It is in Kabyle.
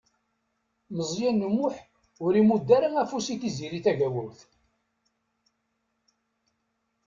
Meẓyan U Muḥ ur imudd ara afus i Tiziri Tagawawt.